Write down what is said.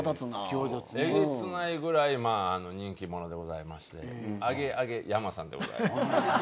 えげつないぐらい人気者でございましてアゲアゲｙａｍａさんでございます。